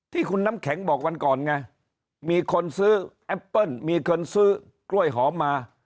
ที่คุณน้ำแข็งบอกวันก่อนไงมีคนซื้อแอปเปิ้ลมีคนซื้อกล้วยหอมมา